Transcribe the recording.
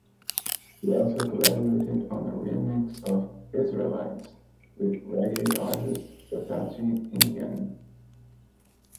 He also collaborated on a remix of "Israelites" with reggae artist Apache Indian.